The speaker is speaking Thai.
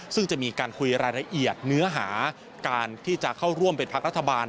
ซึ่งจะมีการคุยรายละเอียดเนื้อหาการที่จะเข้าร่วมเป็นพักรัฐบาล